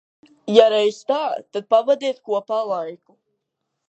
Ja reiz tā, tad pavadiet kopā laiku.